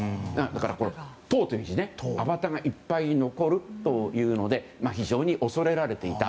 だから、痘という文字あばたがいっぱい残るということで非常に恐れられていた。